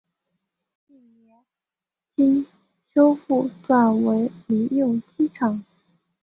近年经修复转为民用机场。